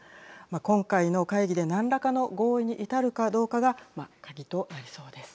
今回の会議で何らかの合意に至るかどうかが鍵となりそうです。